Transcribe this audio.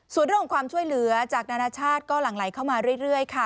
ส่วนเรื่องของความช่วยเหลือจากนานาชาติก็หลั่งไหลเข้ามาเรื่อยค่ะ